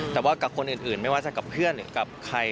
แต่ว่ากับคนอื่นไม่ว่าจะกับเพื่อนหรือกับใคร